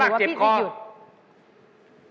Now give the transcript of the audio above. เอาน้องเหวียงอยู่